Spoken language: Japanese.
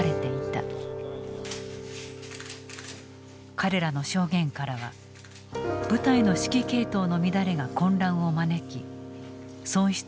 彼らの証言からは部隊の指揮系統の乱れが混乱を招き損失を広げた実態が見えてきた。